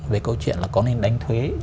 về câu chuyện có nên đánh thuế